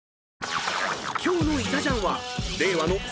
［今日の『いたジャン』は］